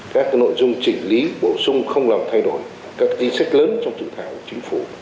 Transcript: các nội dung chỉnh lý bổ sung không làm thay đổi các ý sách lớn trong dự thảo của chính phủ